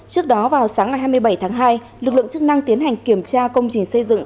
trước đó vào sáng ngày hai mươi bảy tháng hai lực lượng chức năng tiến hành kiểm tra công trình xây dựng